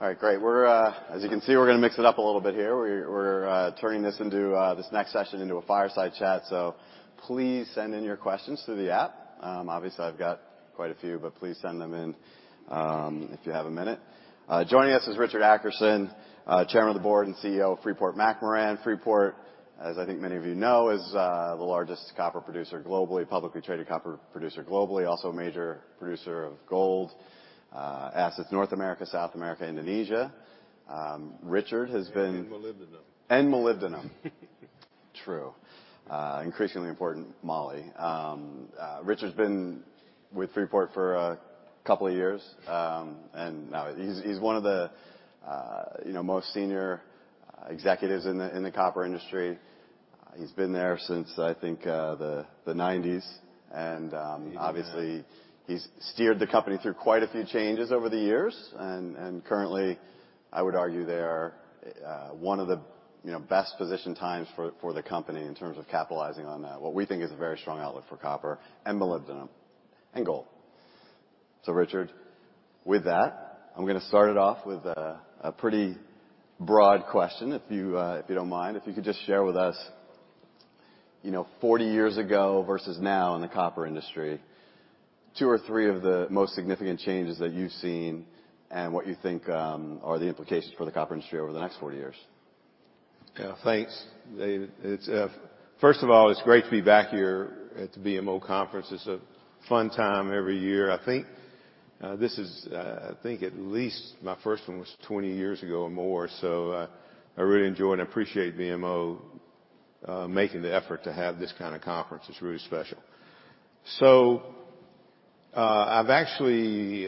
All right, great. We're. As you can see, we're gonna mix it up a little bit here. We're turning this into a, this next session into a fireside chat, so please send in your questions through the app. Obviously, I've got quite a few, but please send them in, if you have a minute. Joining us is Richard Adkerson, Chairman of the Board and CEO of Freeport-McMoRan. Freeport, as I think many of you know, is the largest copper producer globally, publicly traded copper producer globally, also a major producer of gold. Assets North America, South America, Indonesia. Richard has been. Molybdenum. molybdenum. True. increasingly important, moly. Richard's been with Freeport for a couple of years. he's one of the, you know, most senior executives in the, in the copper industry. He's been there since, I think, the 1990s. 80s now. Obviously, he's steered the company through quite a few changes over the years. Currently, I would argue they are, one of the, you know, best positioned times for the company in terms of capitalizing on that. What we think is a very strong outlook for copper and molybdenum and gold. Richard, with that, I'm gonna start it off with a pretty broad question, if you don't mind. If you could just share with us, you know, 40 years ago versus now in the copper industry, two or three of the most significant changes that you've seen, and what you think are the implications for the copper industry over the next 40 years. Yeah. Thanks. First of all, it's great to be back here at the BMO conference. It's a fun time every year. I think, this is, I think at least my first one was 20 years ago or more. I really enjoy and appreciate BMO, making the effort to have this kinda conference. It's really special. I've actually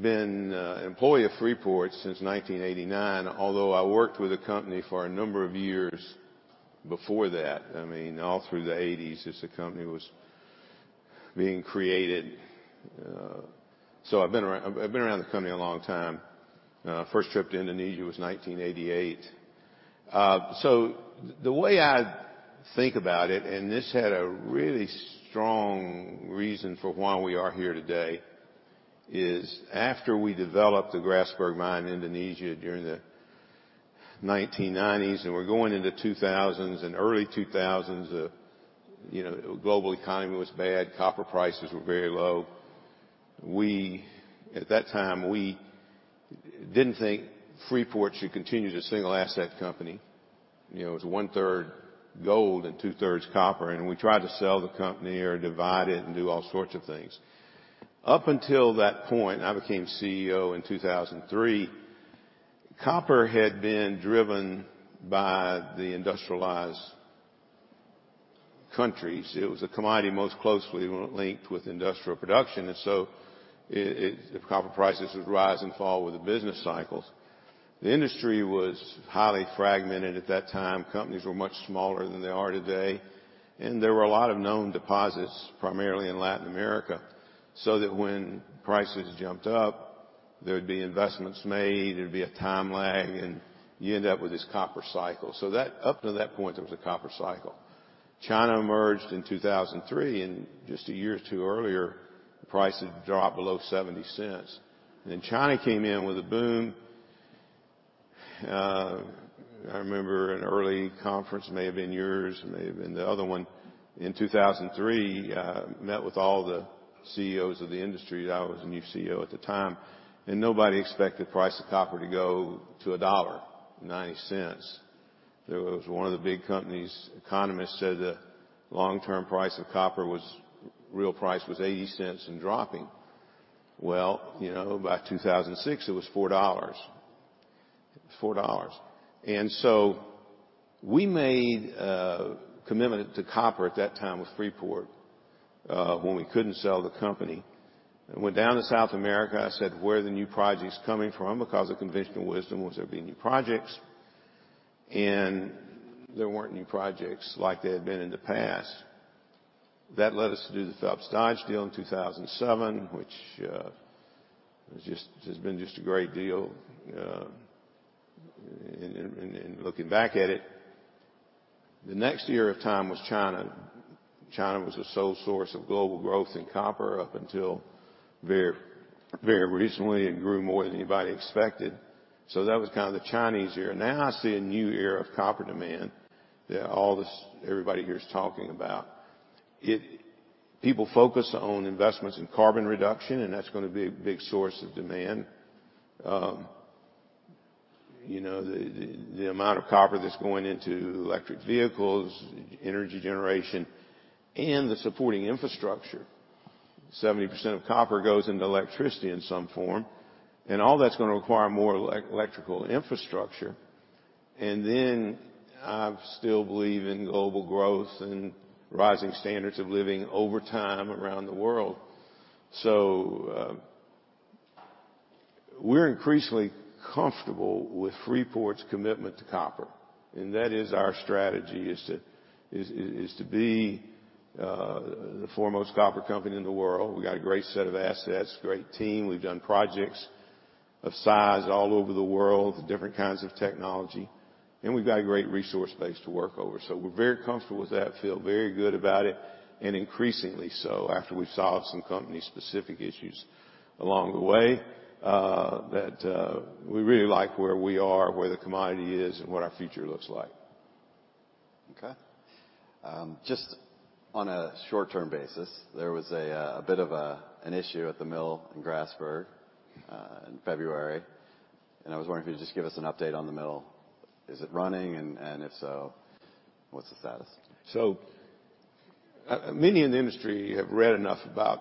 been an employee of Freeport since 1989, although I worked with the company for a number of years before that, I mean, all through the 80s, as the company was being created. I've been around the company a long time. First trip to Indonesia was 1988. The way I think about it, and this had a really strong reason for why we are here today, is after we developed the Grasberg mine in Indonesia during the 1990s and we're going into 2000s and early 2000s, you know, global economy was bad, copper prices were very low. At that time, we didn't think Freeport should continue as a single asset company. You know, it was 1/3 gold and 2/3 copper, and we tried to sell the company or divide it and do all sorts of things. Up until that point, and I became CEO in 2003, copper had been driven by the industrialized countries. It was a commodity most closely linked with industrial production, and so copper prices would rise and fall with the business cycles. The industry was highly fragmented at that time. Companies were much smaller than they are today, and there were a lot of known deposits, primarily in Latin America, so that when prices jumped up, there would be investments made, there'd be a time lag, and you end up with this copper cycle. Up to that point, there was a copper cycle. China emerged in 2003. Just a year or two earlier, prices dropped below $0.70. China came in with a boom. I remember an early conference, may have been yours, may have been the other one in 2003. Met with all the CEOs of the industry, I was a new CEO at the time. Nobody expected the price of copper to go to $1.90. There was one of the big companies, economists said the long-term price of copper was, real price was $0.80 and dropping. You know, by 2006, it was $4. $4. We made a commitment to copper at that time with Freeport, when we couldn't sell the company. I went down to South America. I said, "Where are the new projects coming from?" Because the conventional wisdom was there'd be new projects. There weren't new projects like there had been in the past. That led us to do the Phelps Dodge deal in 2007, which has been just a great deal, and looking back at it. The next era of time was China. China was the sole source of global growth in copper up until very, very recently. It grew more than anybody expected. That was kind of the Chinese era. Now I see a new era of copper demand that everybody here is talking about. People focus on investments in carbon reduction, and that's going to be a big source of demand. You know, the amount of copper that's going into electric vehicles, energy generation, and the supporting infrastructure. 70% of copper goes into electricity in some form, and all that's going to require more electrical infrastructure. I still believe in global growth and rising standards of living over time around the world. We're increasingly comfortable with Freeport's commitment to copper, and that is our strategy, is to be the foremost copper company in the world. We got a great set of assets, great team. We've done projects of size all over the world with different kinds of technology. We've got a great resource base to work over. We're very comfortable with that, feel very good about it, and increasingly so after we've solved some company-specific issues along the way, that, we really like where we are, where the commodity is, and what our future looks like. Okay. just on a short-term basis, there was a bit of a, an issue at the mill in Grasberg in February. I was wondering if you'd just give us an update on the mill. Is it running? If so, what's the status? Many in the industry have read enough about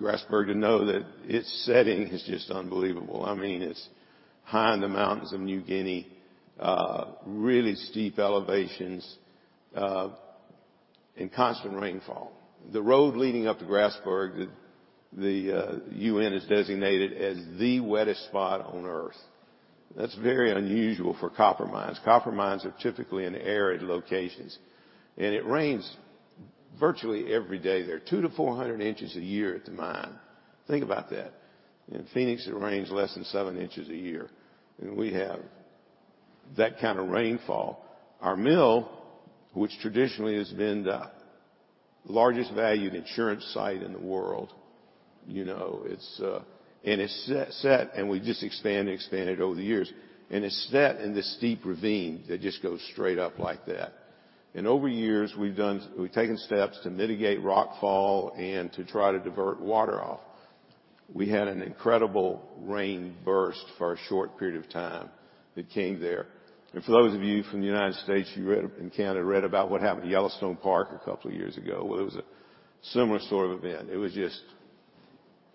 Grasberg to know that its setting is just unbelievable. I mean, it's high in the mountains of New Guinea, really steep elevations, and constant rainfall. The road leading up to Grasberg, the U.N. has designated as the wettest spot on Earth. That's very unusual for copper mines. Copper mines are typically in arid locations. It rains virtually every day there, 200-400 inches a year at the mine. Think about that. In Phoenix, it rains less than seven inches a year, and we have that kind of rainfall. Our mill, which traditionally has been the largest valued insurance site in the world, you know, it's, and it's set, and we've just expanded and expanded over the years, and it's set in this steep ravine that just goes straight up like that. Over years, we've taken steps to mitigate rockfall and to try to divert water off. We had an incredible rain burst for a short period of time that came there. For those of you from the U.S., and Canada, read about what happened at Yellowstone Park a couple years ago. It was a similar sort of event. It was just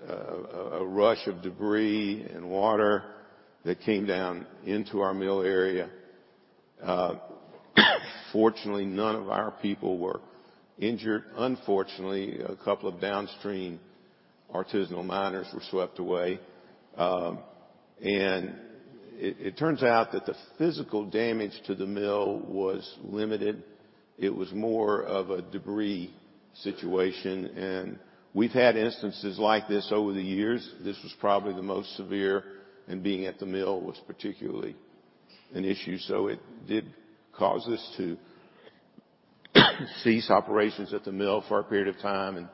a rush of debris and water that came down into our mill area. Fortunately, none of our people were injured. Unfortunately, a couple of downstream artisanal miners were swept away. It turns out that the physical damage to the mill was limited. It was more of a debris situation, and we've had instances like this over the years. This was probably the most severe, and being at the mill was particularly an issue. It did cause us to cease operations at the mill for a period of time,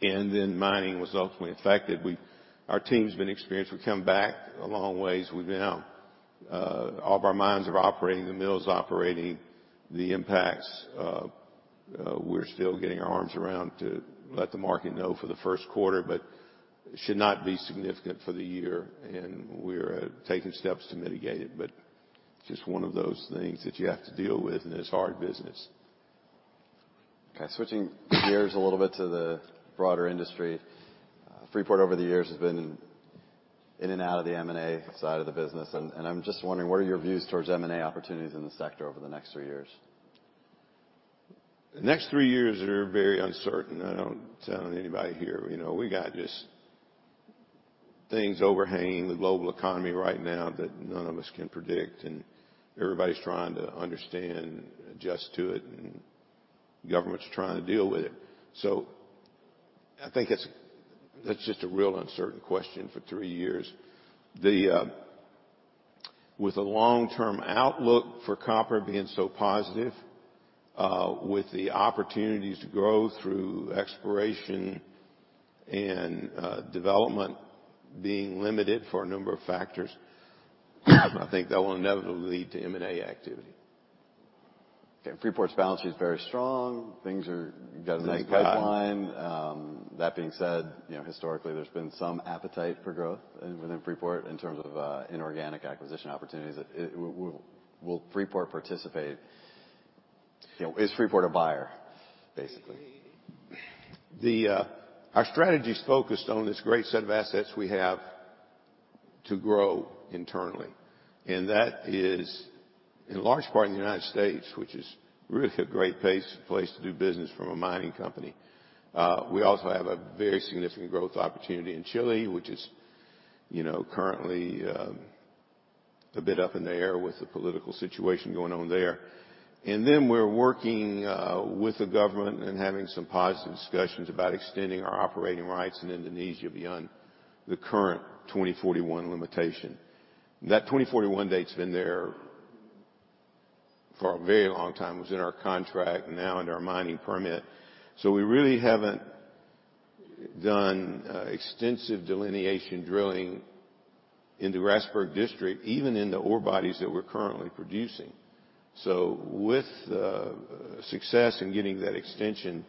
and then mining was ultimately affected. Our team's been experienced. We've come back a long ways. We've now, all of our mines are operating, the mill is operating. The impacts, we're still getting our arms around to let the market know for the first quarter, but should not be significant for the year, and we're taking steps to mitigate it. Just one of those things that you have to deal with, and it's hard business. Okay. Switching gears a little bit to the broader industry. Freeport over the years has been in and out of the M&A side of the business, and I'm just wondering, what are your views towards M&A opportunities in this sector over the next three years? The next three years are very uncertain. I don't tell anybody here. You know, we got just things overhanging the global economy right now that none of us can predict, and everybody's trying to understand and adjust to it, and governments are trying to deal with it. I think that's just a real uncertain question for three years. With the long-term outlook for copper being so positive, with the opportunities to grow through exploration and development being limited for a number of factors, I think that will inevitably lead to M&A activity. Okay. Freeport's balance sheet is very strong. It's got- Nice pipeline. That being said, you know, historically there's been some appetite for growth within Freeport in terms of, inorganic acquisition opportunities. Will Freeport participate? You know, is Freeport a buyer, basically? Our strategy's focused on this great set of assets we have to grow internally, that is in large part in the United States, which is really a great place to do business from a mining company. We also have a very significant growth opportunity in Chile, which is, you know, currently, a bit up in the air with the political situation going on there. We're working with the government and having some positive discussions about extending our operating rights in Indonesia beyond the current 2041 limitation. That 2041 date's been there for a very long time. It was in our contract, now under our mining permit. We really haven't done extensive delineation drilling in the Grasberg district, even in the ore bodies that we're currently producing. With the success in getting that extension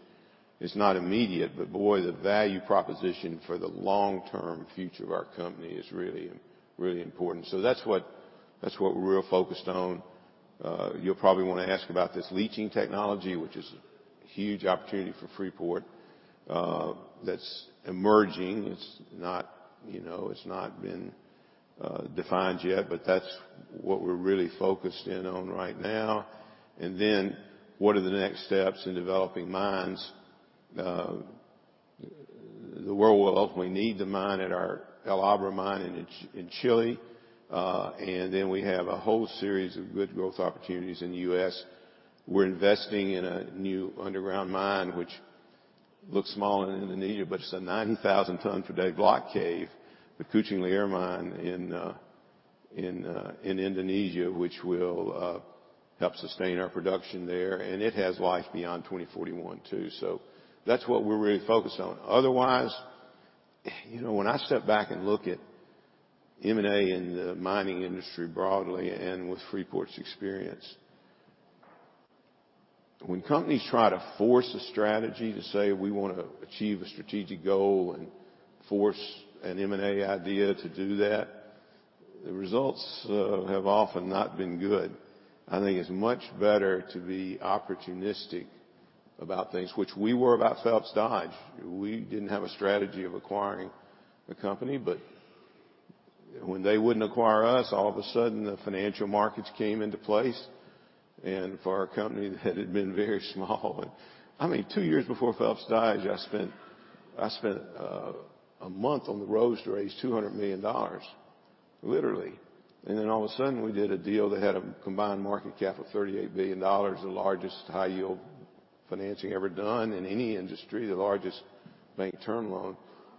is not immediate, but boy, the value proposition for the long-term future of our company is really, really important. That's what we're focused on. You'll probably wanna ask about this leaching technology, which is a huge opportunity for Freeport, that's emerging. It's not, you know, it's not been defined yet, but that's what we're really focused in on right now. What are the next steps in developing mines? The world will ultimately need the mine at our El Abra mine in Chile. We have a whole series of good growth opportunities in the U.S. We're investing in a new underground mine, Looks small in Indonesia, but it's a 90,000 ton per day block cave, the Kucing Liar mine in Indonesia, which will help sustain our production there, and it has life beyond 2041 too. That's what we're really focused on. Otherwise, you know, when I step back and look at M&A in the mining industry broadly and with Freeport's experience, when companies try to force a strategy to say we wanna achieve a strategic goal and force an M&A idea to do that, the results have often not been good. I think it's much better to be opportunistic about things, which we were about Phelps Dodge. When they wouldn't acquire us, all of a sudden the financial markets came into place. For our company that had been very small. I mean, two years before Phelps Dodge, I spent a month on the roads to raise $200 million, literally. All of a sudden, we did a deal that had a combined market cap of $38 billion, the largest high-yield financing ever done in any industry, the largest bank term loan.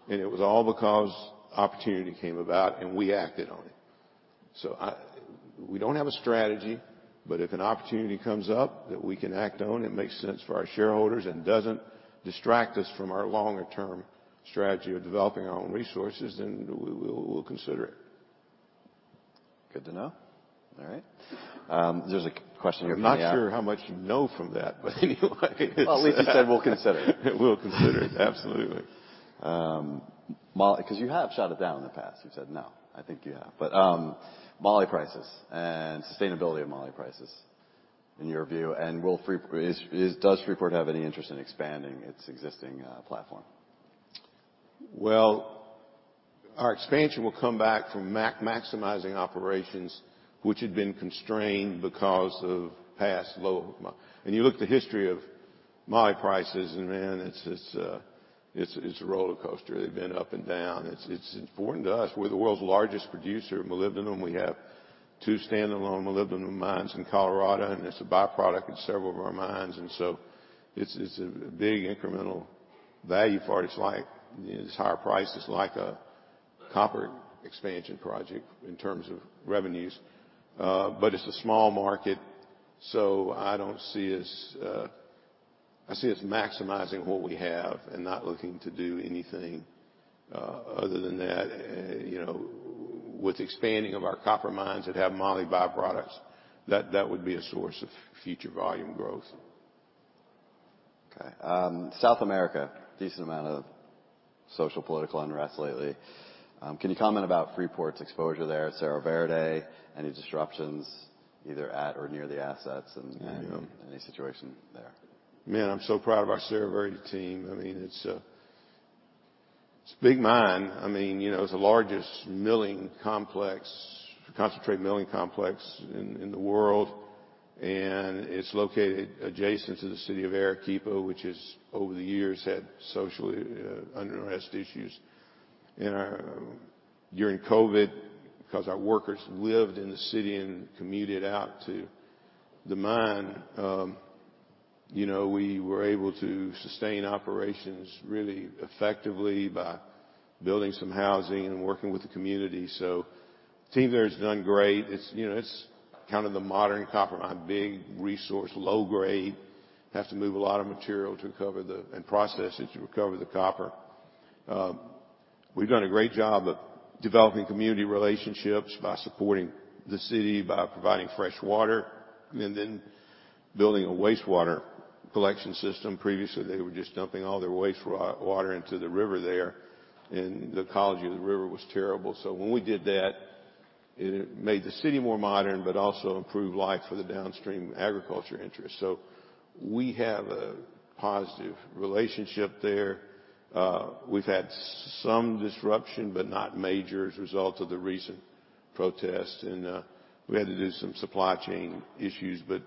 It was all because opportunity came about and we acted on it. We don't have a strategy, but if an opportunity comes up that we can act on, it makes sense for our shareholders and doesn't distract us from our longer term strategy of developing our own resources, then we'll consider it. Good to know. All right. There's a question- I'm not sure how much you know from that, but anyway. Well, at least you said we'll consider it. We'll consider it, absolutely. 'cause you have shot it down in the past. You said, no. I think you have. Moly prices and sustainability of moly prices in your view, and will Freeport have any interest in expanding its existing platform? Our expansion will come back from maximizing operations which had been constrained because of past low moly. You look at the history of moly prices and man, it's a rollercoaster. They've been up and down. It's important to us. We're the world's largest producer of molybdenum. We have two standalone molybdenum mines in Colorado, and it's a byproduct in several of our mines. It's a big incremental value for us like this higher price is like a copper expansion project in terms of revenues. It's a small market, so I see us maximizing what we have and not looking to do anything other than that. You know, with expanding of our copper mines that have moly byproducts, that would be a source of future volume growth. Okay. South America, decent amount of social political unrest lately. Can you comment about Freeport's exposure there at Cerro Verde? Any disruptions either at or near the assets and any situation there? Man, I'm so proud of our Cerro Verde team. I mean, it's a big mine. I mean, you know, it's the largest milling complex, concentrate milling complex in the world. It's located adjacent to the city of Arequipa, which has over the years had social unrest issues. During COVID, 'cause our workers lived in the city and commuted out to the mine, you know, we were able to sustain operations really effectively by building some housing and working with the community. The team there has done great. It's, you know, it's kinda the modern copper mine, big resource, low grade. Have to move a lot of material to recover and process it to recover the copper. We've done a great job of developing community relationships by supporting the city, by providing fresh water and then building a wastewater collection system. Previously, they were just dumping all their wastewater into the river there, and the ecology of the river was terrible. When we did that, it made the city more modern, but also improved life for the downstream agriculture interests. We have a positive relationship there. We've had some disruption, but not major as a result of the recent protests. We had to do some supply chain issues, but,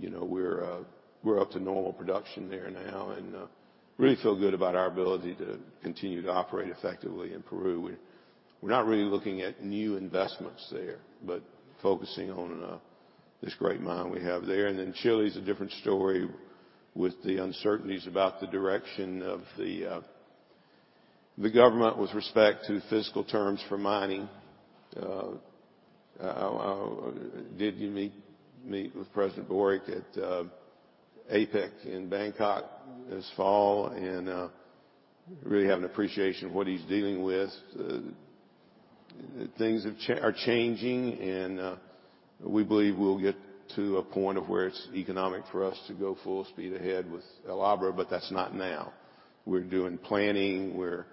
you know, we're up to normal production there now and really feel good about our ability to continue to operate effectively in Peru. We're not really looking at new investments there, but focusing on this great mine we have there. Chile is a different story with the uncertainties about the direction of the government with respect to fiscal terms for mining. I did meet with President Boric at APEC in Bangkok this fall and really have an appreciation of what he's dealing with. Things are changing and we believe we'll get to a point of where it's economic for us to go full speed ahead with El Abra, but that's not now. We're doing planning, we're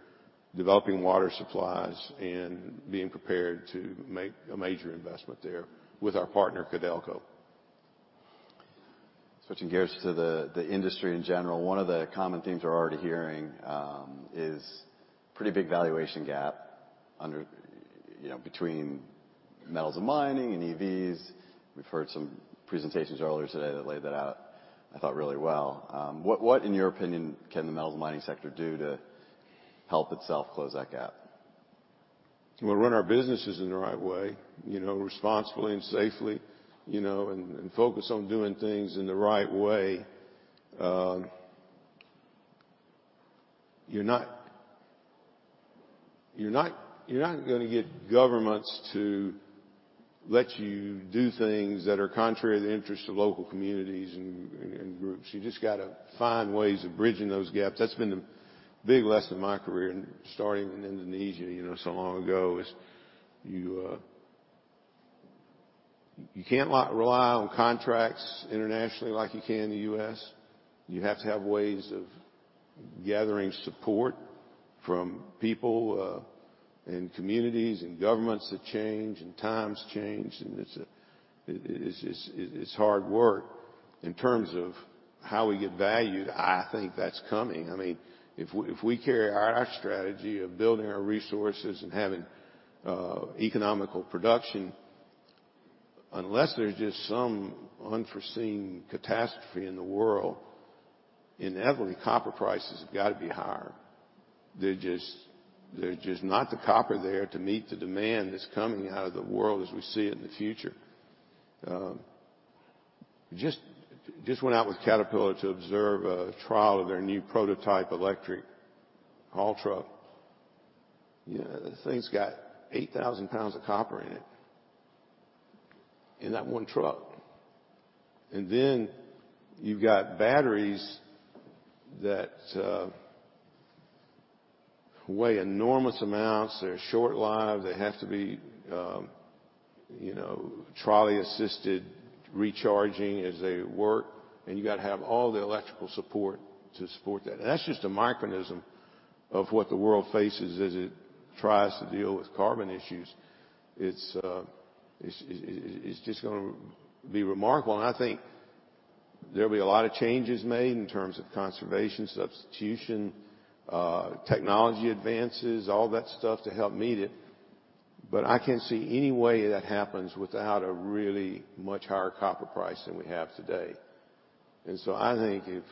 developing water supplies and being prepared to make a major investment there with our partner Codelco. Switching gears to the industry in general. One of the common themes we're already hearing, is pretty big valuation gap under, you know, between metals and mining and EVs. We've heard some presentations earlier today that laid that out, I thought, really well. What in your opinion can the metal and mining sector do to help itself close that gap? We'll run our businesses in the right way, you know, responsibly and safely, you know, and focus on doing things in the right way. You're not gonna get governments to let you do things that are contrary to the interest of local communities and groups. You just gotta find ways of bridging those gaps. That's been the big lesson of my career, and starting in Indonesia, you know, so long ago, is you can't rely on contracts internationally like you can in the U.S. You have to have ways of gathering support from people, and communities and governments that change and times change. It's hard work. In terms of how we get valued, I think that's coming. I mean, if we carry out our strategy of building our resources and having economical production, unless there's just some unforeseen catastrophe in the world, inevitably copper prices have got to be higher. There's just not the copper there to meet the demand that's coming out of the world as we see it in the future. Just went out with Caterpillar to observe a trial of their new prototype electric haul truck. You know, the thing's got 8,000 lbs of copper in it, in that one truck. Then you've got batteries that weigh enormous amounts. They're short-lived. They have to be, you know, trolley-assisted recharging as they work, and you gotta have all the electrical support to support that. That's just a microcosm of what the world faces as it tries to deal with carbon issues. It's just gonna be remarkable. I think there'll be a lot of changes made in terms of conservation, substitution, technology advances, all that stuff to help meet it. I can't see any way that happens without a really much higher copper price than we have today. I think if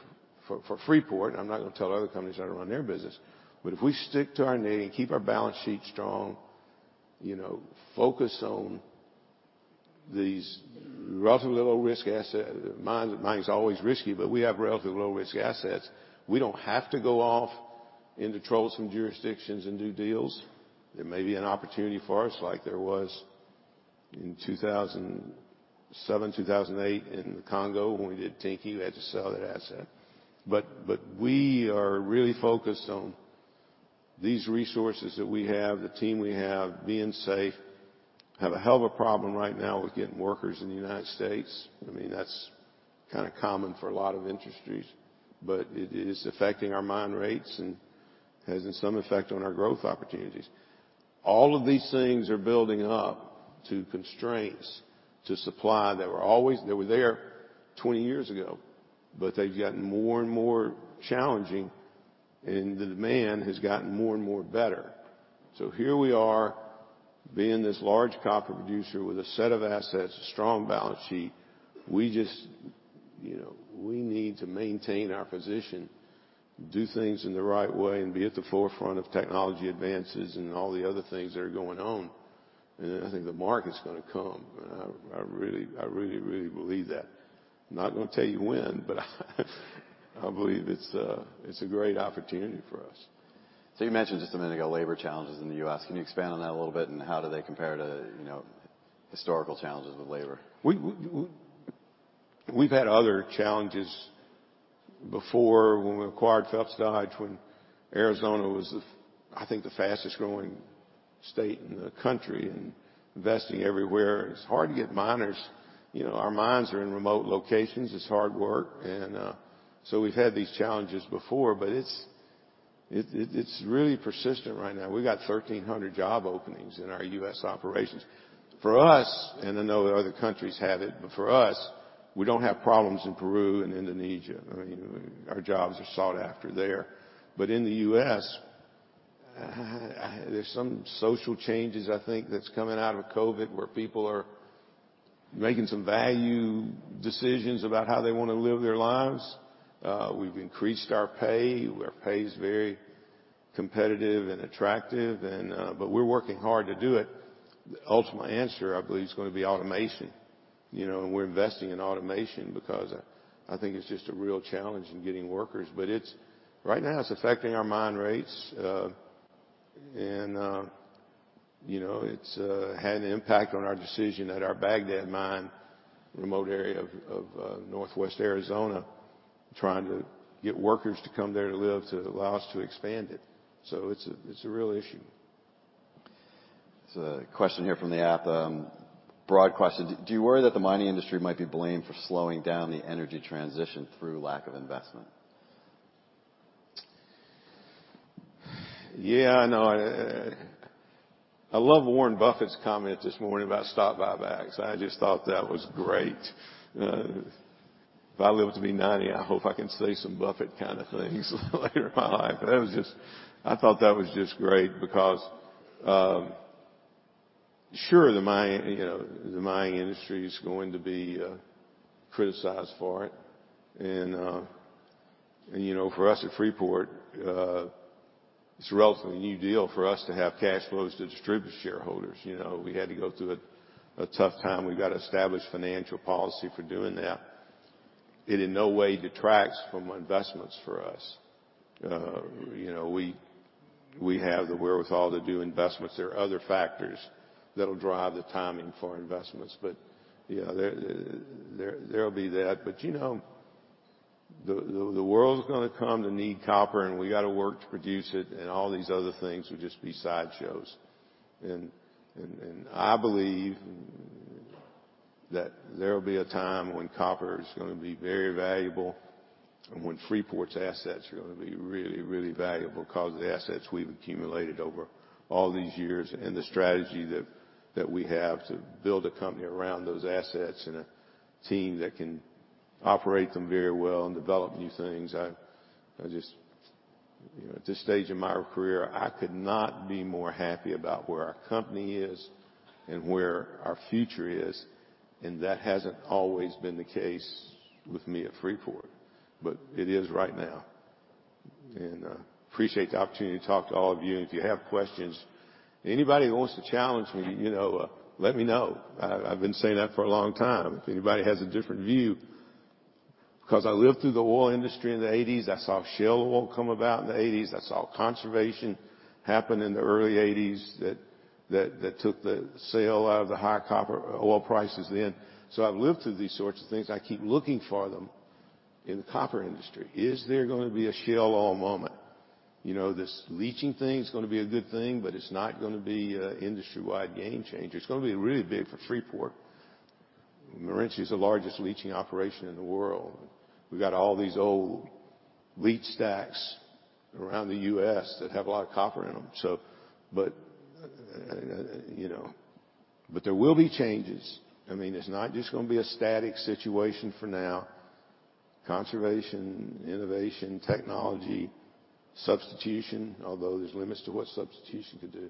for Freeport, and I'm not gonna tell other companies how to run their business, but if we stick to our knitting, keep our balance sheet strong, you know, focus on these relatively low-risk asset mines. Mining's always risky, but we have relatively low-risk assets. We don't have to go off into troublesome jurisdictions and do deals. There may be an opportunity for us like there was in 2007, 2008 in the Congo when we did Tenke. We had to sell that asset. We are really focused on these resources that we have, the team we have, being safe. Have a hell of a problem right now with getting workers in the United States. I mean, that's kinda common for a lot of industries, but it is affecting our mine rates and has some effect on our growth opportunities. All of these things are building up to constraints to supply that were always there 20 years ago, but they've gotten more and more challenging, and the demand has gotten more and more better. Here we are being this large copper producer with a set of assets, a strong balance sheet. We just, you know, we need to maintain our position, do things in the right way, and be at the forefront of technology advances and all the other things that are going on. I think the market's gonna come. I really believe that. I'm not gonna tell you when, but I believe it's a great opportunity for us. You mentioned just a minute ago labor challenges in the U.S. Can you expand on that a little bit? How do they compare to, you know, historical challenges with labor? We've had other challenges before when we acquired Phelps Dodge, when Arizona was I think the fastest growing state in the country and investing everywhere. It's hard to get miners. You know, our mines are in remote locations. It's hard work and, so we've had these challenges before, but it's really persistent right now. We've got 1,300 job openings in our U.S. operations. For us, and I know that other countries have it, but for us, we don't have problems in Peru and Indonesia. I mean, our jobs are sought after there. In the U.S., there's some social changes, I think, that's coming out of COVID, where people are making some value decisions about how they wanna live their lives. We've increased our pay. Our pay is very competitive and attractive, we're working hard to do it. The ultimate answer, I believe, is gonna be automation. You know, we're investing in automation because I think it's just a real challenge in getting workers. Right now it's affecting our mine rates. You know, it's had an impact on our decision at our Bagdad mine, remote area of northwest Arizona, trying to get workers to come there to live to allow us to expand it. It's a, it's a real issue. There's a question here from the app, broad question. Do you worry that the mining industry might be blamed for slowing down the energy transition through lack of investment? Yeah. No. I love Warren Buffett's comment this morning about stock buybacks. I just thought that was great. If I live to be 90, I hope I can say some Buffett kind of things later in my life. I thought that was just great because, you know, the mining industry is going to be criticized for it. You know, for us at Freeport, it's a relatively new deal for us to have cash flows to distribute to shareholders. You know, we had to go through a tough time. We've got to establish financial policy for doing that. It in no way detracts from investments for us. You know, we have the wherewithal to do investments. There are other factors that'll drive the timing for investments. You know, there'll be that. You know, the world is gonna come to need copper, and we gotta work to produce it, and all these other things will just be sideshows. I believe that there will be a time when copper is gonna be very valuable and when Freeport's assets are gonna be really valuable because the assets we've accumulated over all these years and the strategy that we have to build a company around those assets and a team that can operate them very well and develop new things. I just You know, at this stage in my career, I could not be more happy about where our company is and where our future is, and that hasn't always been the case with me at Freeport, but it is right now. Appreciate the opportunity to talk to all of you. If you have questions, anybody who wants to challenge me, you know, let me know. I've been saying that for a long time. If anybody has a different view, 'cause I lived through the oil industry in the 80s. I saw shale oil come about in the 80s. I saw conservation happen in the early 80s that took the sail out of the high copper oil prices then. I've lived through these sorts of things. I keep looking for them in the copper industry. Is there gonna be a shale oil moment? You know, this leaching thing is gonna be a good thing, but it's not gonna be an industry-wide game changer. It's gonna be really big for Freeport. Morenci is the largest leaching operation in the world. We've got all these old leach stacks around the U.S. that have a lot of copper in them, so. you know. There will be changes. I mean, it's not just gonna be a static situation for now. Conservation, innovation, technology, substitution, although there's limits to what substitution could do.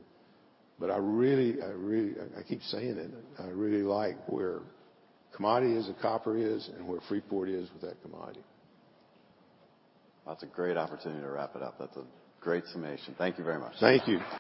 I really, I keep saying it, I really like where commodity as a copper is and where Freeport is with that commodity. That's a great opportunity to wrap it up. That's a great summation. Thank you very much. Thank you.